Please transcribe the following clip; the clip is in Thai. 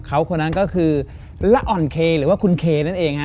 เขาคนนั้นก็คือละอ่อนเคหรือว่าคุณเคนั่นเองฮะ